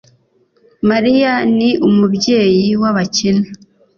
mariya ni umubyeyi w'abakene